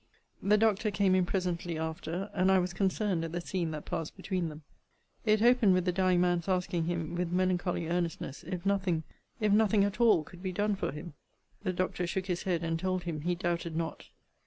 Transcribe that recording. The doctor came in presently after, and I was concerned at the scene that passed between them. It opened with the dying man's asking him, with melancholy earnestness, if nothing if nothing at all could be done for him? The doctor shook his head, and told him, he doubted not.